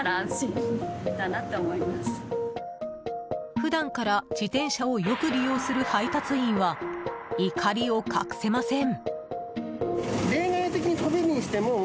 普段から自転車をよく利用する配達員は、怒りを隠せません。